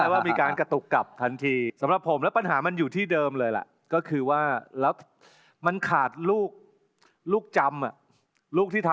อย่าให้เขารู้ว่าเราไม่เปลี่ยนจากเดิม